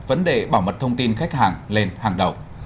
vấn đề bảo mật thông tin khách hàng lên hàng đầu